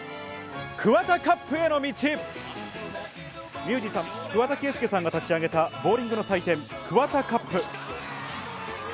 ミュージシャン・桑田佳祐さんが立ち上げたボウリングの祭典・ＫＵＷＡＴＡＣＵＰ。